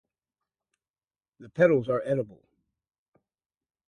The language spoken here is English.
The petals are edible.